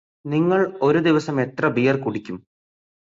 നിങ്ങള് ഒരു ദിവസം എത്രെ ബിയർ കുടിക്കും